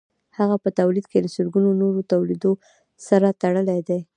هغه په تولید کې له سلګونو نورو تولیدونکو سره تړلی دی